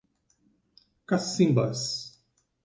Cacimbas